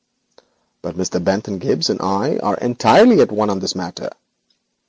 'But Mr. Bentham Gibbes and I are entirely at one in this matter.